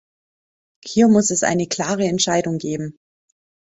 Hier muss es eine klare Entscheidung geben.